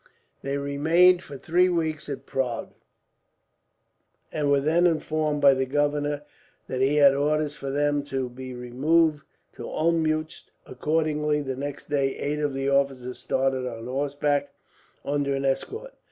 They remained for three weeks at Prague, and were then informed by the governor that he had orders for them to be removed to Olmuetz. Accordingly, the next day eight of the officers started on horseback, under an escort.